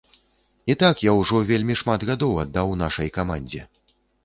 І так я ўжо вельмі шмат гадоў аддаў нашай камандзе.